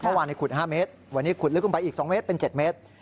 เมื่อวานขุด๕เมตรวันนี้ขุดลึกลงไปอีก๒เมตรเป็น๗เมตร